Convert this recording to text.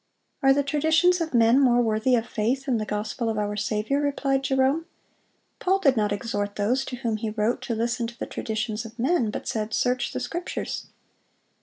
"Are the traditions of men more worthy of faith than the gospel of our Saviour?" replied Jerome. "Paul did not exhort those to whom he wrote to listen to the traditions of men, but said, 'Search the Scriptures.